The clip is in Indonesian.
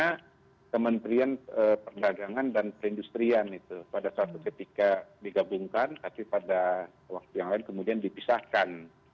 karena kementerian perdagangan dan perindustrian itu pada suatu ketika digabungkan tapi pada waktu yang lain kemudian dipisahkan